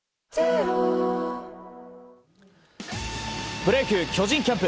プロ野球巨人キャンプ。